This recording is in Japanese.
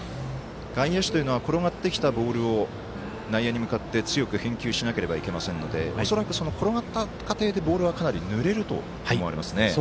外野手というのは転がってきたボールを内野に向かって強く返球しなければいけませんので転がった過程でボールは、かなりぬれると思われますね。